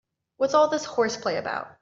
What's all this horseplay about?